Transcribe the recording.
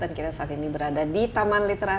dan kita saat ini berada di taman literasi